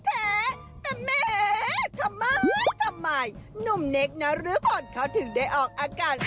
แท้แต่แหมทำไมทำไมหนุ่มเนคนรพลเขาถึงได้ออกอาการ